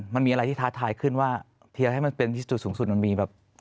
มันมีอะไรที่ท้าทายขึ้นว่าเทียร์ให้มันเป็นที่จุดสูงสุดมันมีแบบ